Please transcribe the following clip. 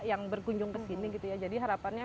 yang berkunjung ke sini jadi harapannya